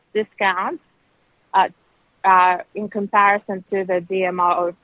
di banding dengan harga dmao